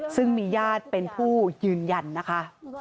ซึ่งมีญาติเป็นผู้ยืนยันนะคะ